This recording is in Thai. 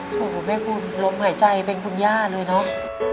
โหแม่คุณลมหายใจเป็นคุณย่าเลยเนอะ